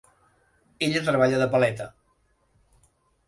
Ella treballa de paleta.